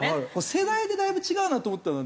世代でだいぶ違うなと思ったのはね